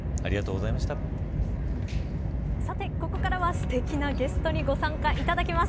さて、ここからはすてきなゲストにご参加いただきます。